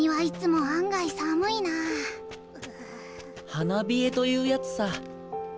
花冷えと言うやつさ。